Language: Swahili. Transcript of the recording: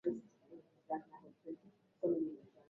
ulimwengu hasa Asia Uhusiano mkubwa kati ya mwonekano na uchafuzi